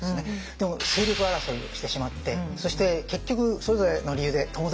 でも勢力争いをしてしまってそして結局それぞれの理由で共倒れになります。